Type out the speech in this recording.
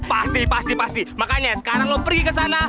pasti pasti pasti makanya sekarang lo pergi kesana